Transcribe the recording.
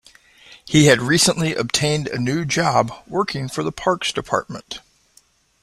He had recently obtained a new job working for the Parks Department.